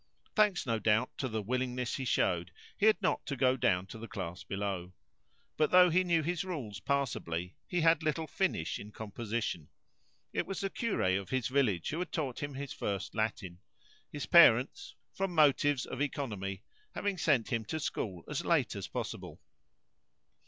Thanks, no doubt, to the willingness he showed, he had not to go down to the class below. But though he knew his rules passably, he had little finish in composition. It was the cure of his village who had taught him his first Latin; his parents, from motives of economy, having sent him to school as late as possible.